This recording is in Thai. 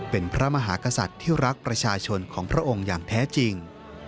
เป็นพระมหากษัตริย์ที่รักประชาชนของพระองค์อย่างแท้จริง